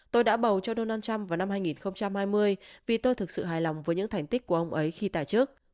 tôi đã bầu cho donald trump vào năm hai nghìn hai mươi vì tôi thực sự hài lòng với những thành tích của ông ấy khi tài chức